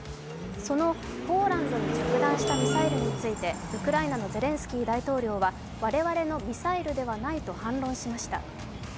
そのポーランドに着弾したミサイルについてウクライナのゼレンスキー大統領は我々のミサイルではないと反論しました。